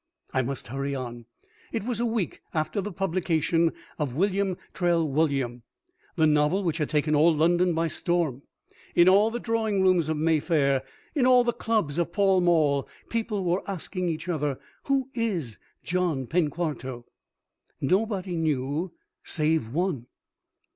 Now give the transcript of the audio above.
I must hurry on. It was a week after the publication of "William Trewulliam," the novel which had taken all London by storm. In all the drawing rooms of Mayfair, in all the clubs of Pall Mall, people were asking each other, "Who is John Penquarto?" Nobody knew save one.